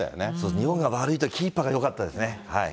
日本が悪いと、キーパーがよかったですね。